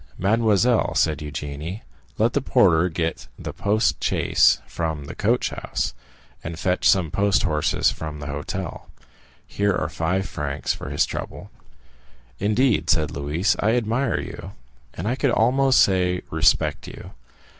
"Mademoiselle," said Eugénie, "let the porter get the post chaise from the coach house, and fetch some post horses from the hotel. Here are five francs for his trouble." "Indeed," said Louise, "I admire you, and I could almost say respect you."